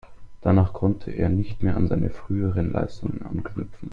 Danach konnte er nicht mehr an seine früheren Leistungen anknüpfen.